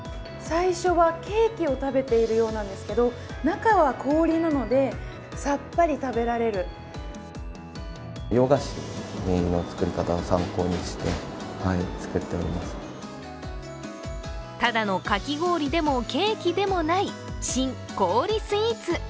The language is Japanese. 最初はケーキを食べているようなんですけど、中は氷なので、さっぱり食べられるただのかき氷でもケーキでもない新氷スイーツ。